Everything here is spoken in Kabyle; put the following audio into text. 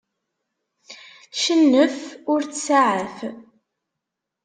Cennef, ur ttsaɛaf.